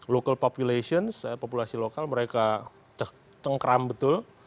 local population populasi lokal mereka cengkram betul